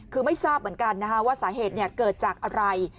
คือไม่ทราบเหมือนกันว่าสาเหตุเกิดจากอะไร